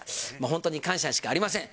本当に感謝しかありません。